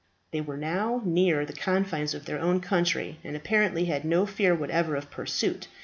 They were now near the confines of their own country, and apparently had no fear whatever of pursuit.